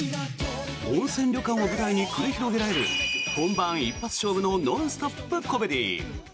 温泉旅館を舞台に繰り広げられる本番一発勝負のノンストップコメディー。